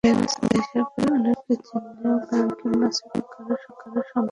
ব্যাঙের ছাতা হিসেবে অনেকে চিনলেও, ব্যাঙ কিংবা ছাতা কারও সঙ্গে সম্পর্ক নেই মাশরুমের।